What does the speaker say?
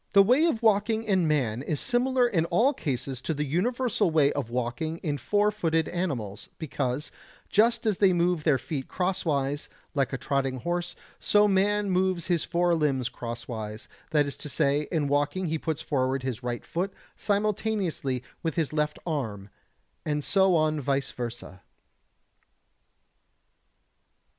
118. The way of walking in man is similar in all cases to the universal way of walking in four footed animals, because, just as they move their feet crosswise, like a trotting horse, so man moves his four limbs crosswise, that is to say, in walking he puts forward his right foot simultaneously with his left arm, and so on vice versa.